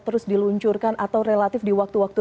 terus diluncurkan atau relatif di waktu waktu